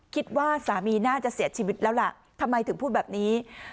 คิดว่าสามีน่าจะเสียชีวิตแล้วล่ะทำไมถึงพูดแบบนี้